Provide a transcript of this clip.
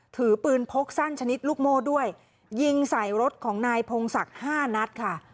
ถือปืนพกสั้นชนิดลูกโม่ด้วยยิงใส่รถของนายพงศักดิ์๕นัดค่ะ